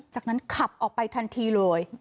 จากนั้นขับออกไปทันทีเลย